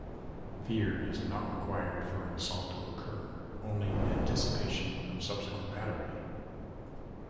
Fear is not required for an assault to occur, only anticipation of subsequent battery.